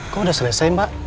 kok udah selesai mbak